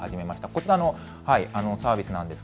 こちらのサービスです。